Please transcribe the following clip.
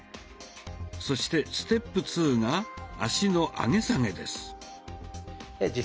そしてステップツーが脚の上げ下げです。